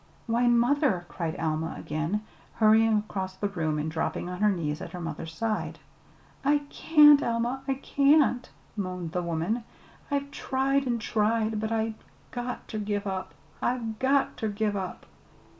"Why, mother!" cried Alma again, hurrying across the room and dropping on her knees at her mother's side. "I can't, Alma, I can't!" moaned the woman. "I've tried an' tried; but I've got ter give up, I've got ter give up."